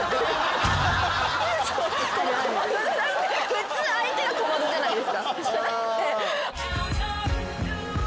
普通相手が小窓じゃないですか。